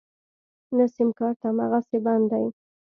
نه سيمکارټ امغسې بند دی.